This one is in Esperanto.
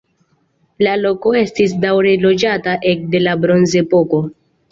La loko estis daŭre loĝata ekde la bronzepoko.